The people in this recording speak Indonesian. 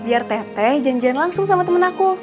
biar teteh janjian langsung sama temen aku